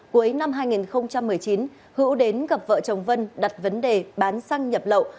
cuối năm hai nghìn một mươi chín hữu đến gặp vợ chồng vân đặt vấn đề bán xăng nhập lậu